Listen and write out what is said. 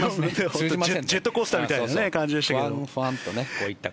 ジェットコースターみたいな感じでしたが。